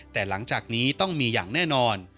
แต่หลังจากนี้ต้องมีอย่างแน่นอน